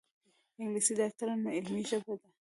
انګلیسي د ډاکټرانو علمي ژبه ده